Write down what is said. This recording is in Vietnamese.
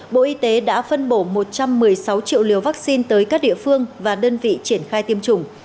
bộ y tế đã phân bổ một trăm một mươi sáu triệu liều vaccine tới các địa phương và đơn vị triển khai tiêm chủng